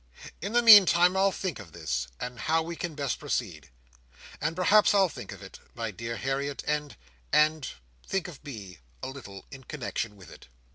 In the meantime, I'll think of this, and how we can best proceed. And perhaps I'll think of it, dear Harriet, and—and—think of me a little in connexion with it."